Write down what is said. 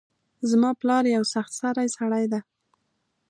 زما پلار یو سخت سرۍ سړۍ ده